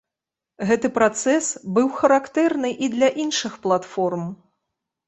Гэты працэс быў характэрны і для іншых платформ.